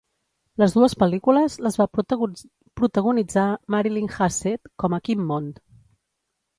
Les dues pel·lícules les va protagonitzar Marilyn Hassett com a Kinmont.